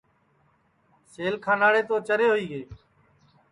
سیل کھاناڑے تو چرے ہوئی گے